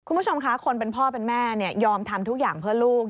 คุณผู้ชมคะคนเป็นพ่อเป็นแม่ยอมทำทุกอย่างเพื่อลูก